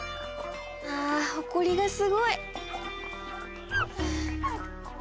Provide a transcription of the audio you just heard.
あほこりがすごい。